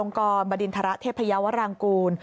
ลงกรบดินทรศเทพญาวรรางกร